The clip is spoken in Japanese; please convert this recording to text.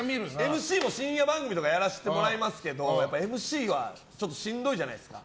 ＭＣも深夜番組とかやらせてもらいますがＭＣはちょっとしんどいじゃないですか。